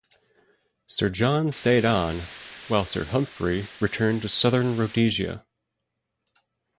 Sir John stayed on while Sir Humphrey returned to Southern Rhodesia.